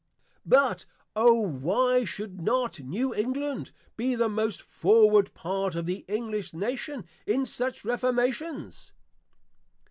But, O why should not New England be the most forward part of the English Nation in such Reformations?